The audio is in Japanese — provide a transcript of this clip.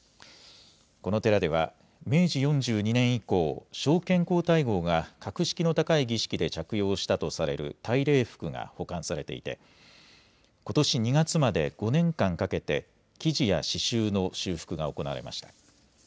この寺では、明治４２年以降、昭憲皇太后が格式の高い儀式で着用したとされる大礼服が保管されていて、ことし２月まで５年間かけて、生地や刺しゅうの修復が行われました。